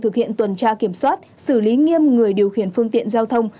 thực hiện tuần tra kiểm soát xử lý nghiêm người điều khiển phương tiện giao thông